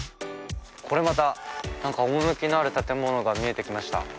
これまたなんか趣のある建物が見えてきました。